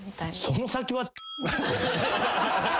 その先は。